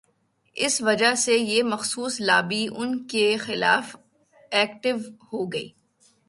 اس وجہ سے یہ مخصوص لابی ان کے خلاف ایکٹو ہو گئی۔